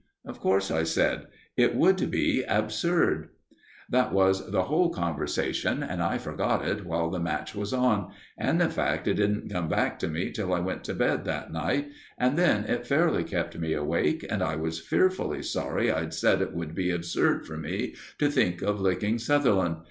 "Of course," I said; "it would be absurd." That was the whole conversation, and I forgot it while the match was on, and, in fact, it didn't come back to me till I went to bed that night; and then it fairly kept me awake, and I was fearfully sorry I'd said it would be absurd for me to think of licking Sutherland.